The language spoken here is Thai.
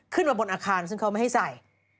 ขึ้นมาบนอาคารซึ่งเขาไม่ให้ใส่